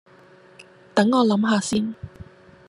等我諗吓先